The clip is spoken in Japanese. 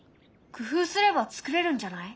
工夫すればつくれるんじゃない？